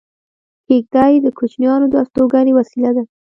کېږدۍ د کوچیانو د استوګنې وسیله ده